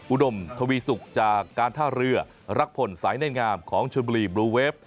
อุดมทวีสุกจากการท่าเรือรักพลสายในงามของชนบุรีบลูเวฟ